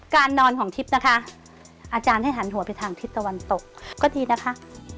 นอนของทิพย์นะคะอาจารย์ให้หันหัวไปทางทิศตะวันตกก็ดีนะคะ